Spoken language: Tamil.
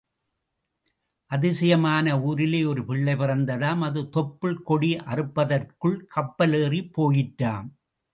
அதிசயமான ஊரிலே ஒரு பிள்ளை பிறந்ததாம் அது தொப்புள் கொடி அறுப்பதற்குள் கப்பல் ஏறிப் போயிற்றாம்.